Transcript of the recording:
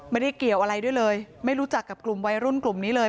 ไม่ได้เกี่ยวอะไรด้วยเลยไม่รู้จักกับกลุ่มวัยรุ่นกลุ่มนี้เลย